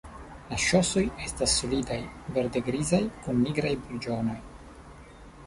La ŝosoj estas solidaj, verde-grizaj, kun nigraj burĝonoj.